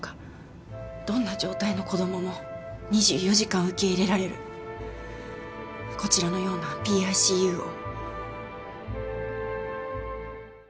どんな状態の子供も２４時間受け入れられるこちらのようなＰＩＣＵを。